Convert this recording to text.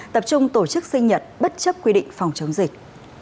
tập trung tổ chức sinh nhật bất chấp quy định phòng chống dịch